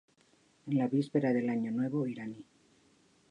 Es la víspera del año nuevo iraní.